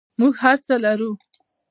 موږ هر څه لرو